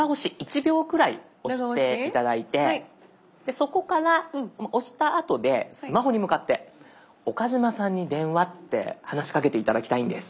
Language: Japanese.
そこから押したあとでスマホに向かって「岡嶋さんに電話」って話しかけて頂きたいんです。